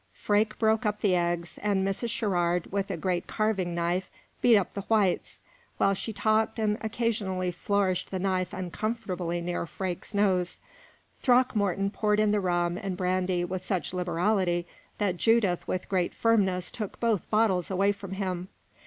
Freke broke up the eggs, and Mrs. Sherrard, with a great carving knife, beat up the whites, while she talked and occasionally flourished the knife uncomfortably near Freke's nose. Throckmorton poured in the rum and brandy with such liberality that Judith with great firmness took both bottles away from him.